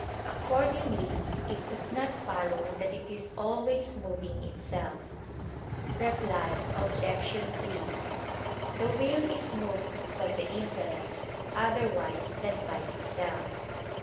Accordingly it does not follow that it is always moving itself. Reply Obj. 3: The will is moved by the intellect, otherwise than by itself.